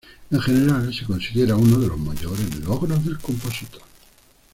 En general se considera uno de los mayores logros del compositor.